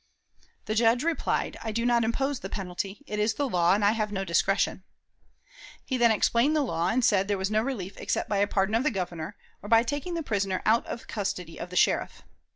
The Judge replied: "I do not impose the penalty; it is the law, and I have no discretion." He then explained the law, and said there was no relief except by a pardon of the Governor, or by taking the prisoner out of the custody of the sheriff.